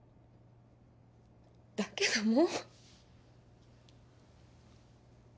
だけどもう。